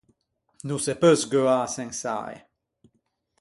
No se peu sgheuâ sens’ae.